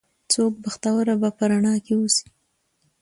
څوک بختوره به په رڼا کې اوسي